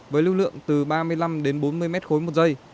với lưu lượng từ ba mươi năm đến bốn mươi mét khối một giây